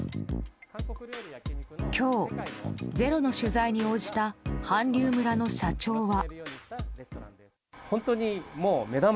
今日「ｚｅｒｏ」の取材に応じた韓流村の社長は。